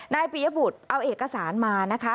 ปียบุตรเอาเอกสารมานะคะ